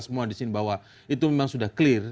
semua di sini bahwa itu memang sudah clear